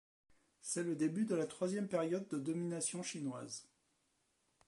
C'est le début de la troisième période de domination chinoise.